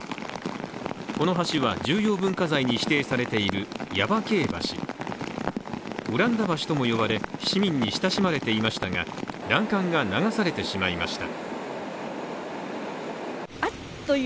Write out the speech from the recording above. この橋は重要文化財に指定されている耶馬溪橋オランダ橋とも呼ばれ市民に親しまれていましたが欄干が流されてしまいました。